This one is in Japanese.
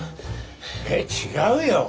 え違うよ。